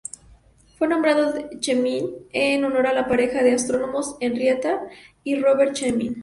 Fue nombrado Chemin en honor a la pareja de astrónomos "Henrietta" y Robert Chemin.